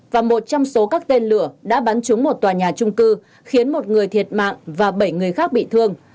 và một trong số các tên lửa đã bắn trúng một tòa nhà trung cư khiến một người thiệt mạng và bảy người khác bị thương